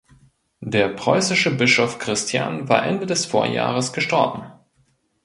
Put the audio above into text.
Der preußische Bischof Christian war Ende des Vorjahres gestorben.